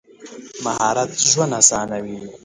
مهارت ژوند اسانوي.